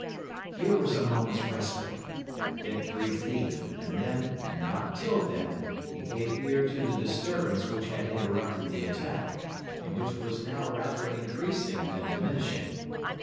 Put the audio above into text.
Here was a moment's respite. Dick breathed deep, and then, and not till then, he gave ear to the disturbance which had interrupted the attack, and which was now rather increasing than diminishing.